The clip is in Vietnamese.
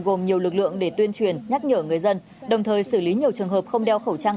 gồm nhiều lực lượng để tuyên truyền nhắc nhở người dân đồng thời xử lý nhiều trường hợp không đeo khẩu trang